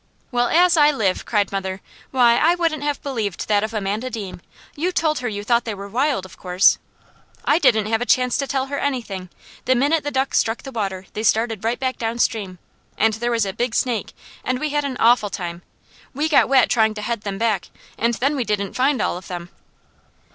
"Well as I live!" cried mother. "Why I wouldn't have believed that of Amanda Deam. You told her you thought they were wild, of course." "I didn't have a chance to tell her anything. The minute the ducks struck the water they started right back down stream, and there was a big snake, and we had an awful time. We got wet trying to head them back, and then we didn't find all of them."